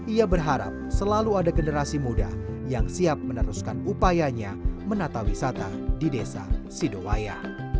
ia berharap selalu ada generasi muda yang siap meneruskan upayanya menata wisata di desa sidowaya